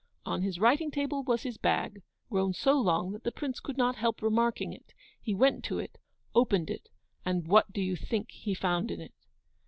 On his writing table was his bag, grown so long that the Prince could not help remarking it. He went to it, opened it, and what do you think he found in it?